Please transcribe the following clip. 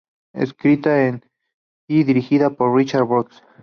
Escrita y dirigida por Richard Brooks.